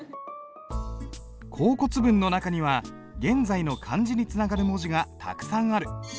甲骨文の中には現在の漢字につながる文字がたくさんある。